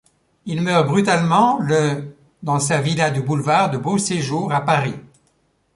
Il meurt brutalement le dans sa villa du boulevard de Beauséjour à Paris.